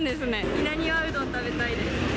稲庭うどん食べたいです。